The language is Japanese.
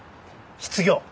失業。